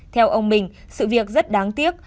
theo ông bình sự việc rất đáng tiếc